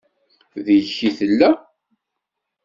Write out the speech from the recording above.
Deg-k i tella.